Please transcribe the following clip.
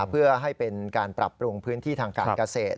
เพื่อให้เป็นการปรับปรุงพื้นที่ทางการเกษตร